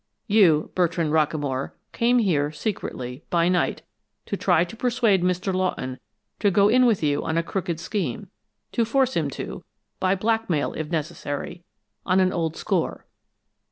You, Bertrand Rockamore, came here, secretly, by night, to try to persuade Mr. Lawton to go in with you on a crooked scheme to force him to, by blackmail, if necessary, on an old score.